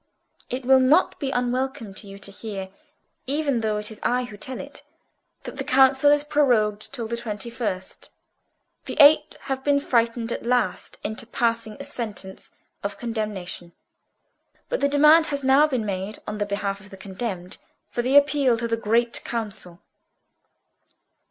"It will not be unwelcome to you to hear—even though it is I who tell it—that the council is prorogued till the twenty first. The Eight have been frightened at last into passing a sentence of condemnation, but the demand has now been made on behalf of the condemned for the Appeal to the Great Council."